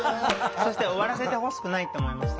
そして終わらせてほしくないって思いました。